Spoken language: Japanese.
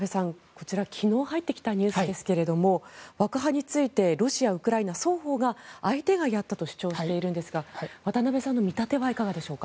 こちら、昨日入ってきたニュースですけれども爆破についてロシア、ウクライナ双方が相手がやったと主張しているんですが渡部さんの見立てはいかがでしょうか。